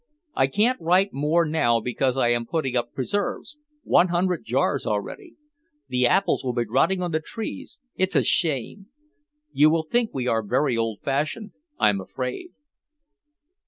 I can't write more now because I am putting up preserves, one hundred jars already. The apples will be rotting on the trees, it's a shame. You will think we are very old fashioned, I'm afraid.